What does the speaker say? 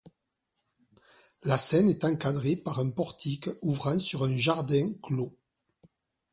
La scène est encadrée par un portique ouvrant sur un jardin clos.